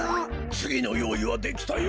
つぎのよういはできたよ。